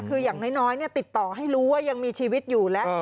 คืออย่างน้อยติดต่อให้รู้ว่ายังมีชีวิตอยู่แล้ว